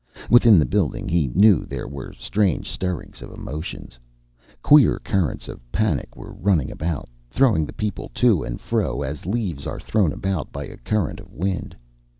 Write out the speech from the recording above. Within the building, he knew, there were strange stirrings of emotions. Queer currents of panic were running about, throwing the people to and fro as leaves are thrown about by a current of wind.